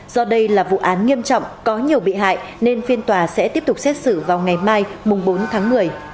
do đây là vụ án nghiêm trọng có nhiều bị hại nên phiên tòa sẽ tiếp tục xét xử vào ngày mai bốn tháng một mươi